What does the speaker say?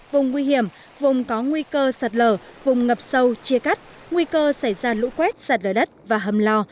vùng nguy hiểm vùng có nguy cơ sạt lở vùng ngập sâu chia cắt nguy cơ xảy ra lũ quét sạt lở đất và hầm lò